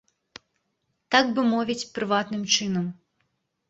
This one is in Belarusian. Так бы мовіць, прыватным чынам.